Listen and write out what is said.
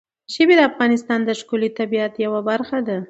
ژبې د افغانستان د ښکلي طبیعت یوه برخه ده.